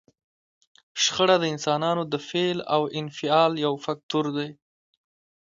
شخړه د انسانانو د فعل او انفعال یو فکتور دی.